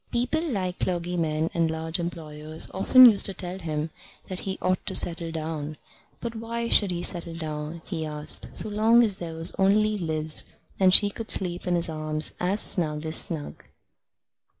People like clergymen and large employers often used to tell him that he ought to settle down. But why should he settle down, he asked, so long as there was only Liz, and she could sleep in his arms as snug as snug?